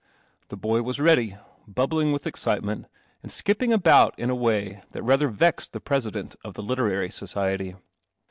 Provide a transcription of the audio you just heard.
The boy was ready, bubbling with excite ment, and skipping about in a way that rather vexed the President of the Literary Society.